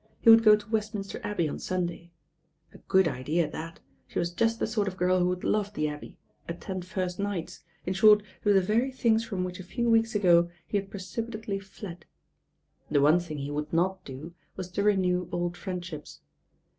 He would go to Westminster Abbey on Sunday— a good idea that> she was just the sort of girl who would love the Abbey, attend first nights, in short do the very things from which a few weeks ago he had precipitately fled. The one thing he would not do was to renew old friendships.